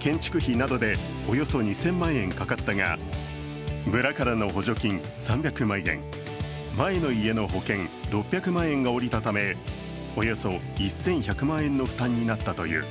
建築費などでおよそ２０００万円かかったが村からの補助金３００万円、前の家の保険６００万円が下りたためおよそ１１００万円の負担になったと言う。